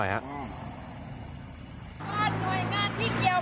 ด้วยงานที่เกี่ยวข้อง